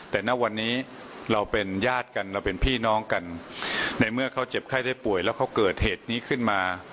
แต่ณวันนี้เราเป็นญาติกันเราเป็นพี่น้องกันในเมื่อเขาเจ็บไข้ได้ป่วยแล้วเขาเกิดเหตุนี้ขึ้นมา